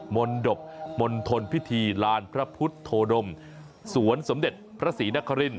มนตบมณฑลพิธีลานพระพุทธโธดมสวนสมเด็จพระศรีนคริน